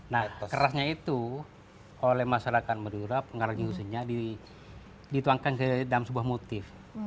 nah kerasnya itu oleh masyarakat madura pengaruh nyusunnya dituangkan ke dalam sebuah motif